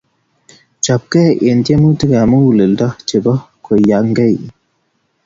Chopkei eng tiemutikap muguleldo chebo keiyangei